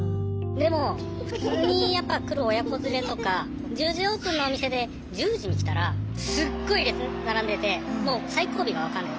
でも普通にやっぱ来る親子連れとか１０時オープンのお店で１０時に来たらすっごい列並んでてもう最後尾が分かんない。